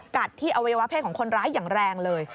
กัดที่อวัยวะเพศของคนร้ายอย่างแรงเลย